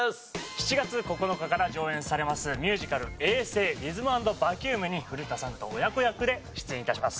７月９日から上演されますミュージカル『衛生』リズム＆バキュームに古田さんと親子役で出演致します。